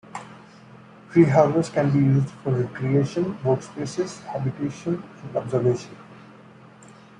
Tree houses can be used for recreation, work space, habitation, and observation.